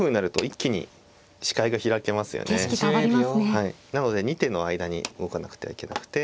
はいなので２手の間に動かなくてはいけなくて。